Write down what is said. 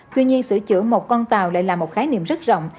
tuy nhiên sửa chữa một con tàu lại là một khái niệm rất rộng